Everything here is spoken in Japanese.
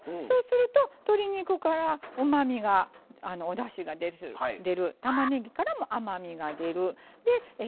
そうすると鶏肉からうまみがおだしが出るたまねぎからも甘みが出る。